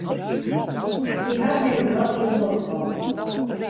Hy hat him in gat yn 'e holle fallen.